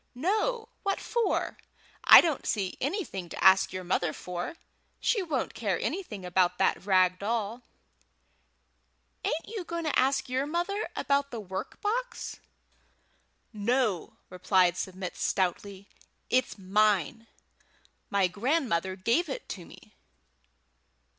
"No! What for? I don't see anything to ask your mother for. She won't care anything about that rag doll." "Ain't you going to ask your mother about the work box?" "No," replied Submit stoutly. "It's mine; my grandmother gave it to me."